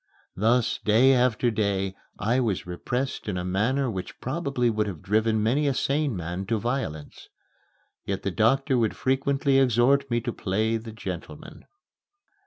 Thus, day after day, I was repressed in a manner which probably would have driven many a sane man to violence. Yet the doctor would frequently exhort me to play the gentleman.